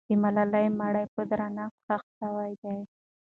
د ملالۍ مړی په درنښت ښخ سوی دی.